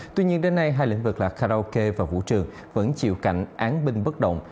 tuy nhiên đến nay hai lĩnh vực là karaoke và vũ trường vẫn chịu cảnh án binh bất động